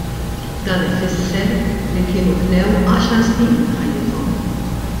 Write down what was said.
Dan ifisser li kienu ħlew għaxar snin minn ħajjithom.